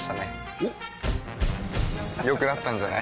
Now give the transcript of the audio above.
おっ良くなったんじゃない？